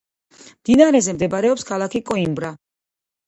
მდინარეზე მდებარეობს ქალაქი კოიმბრა.